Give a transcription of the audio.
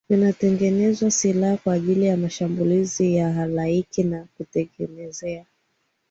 vinatengenezwa silaha kwajili ya mashambulizi ya halaiki na kutengenezea